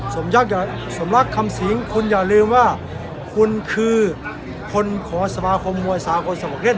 สมรักคำสิงคุณอย่าลืมว่าคุณคือคนของสมาคมมวยสากลสมัครเล่น